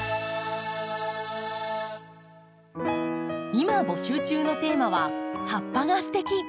今募集中のテーマは「葉っぱがステキ！」。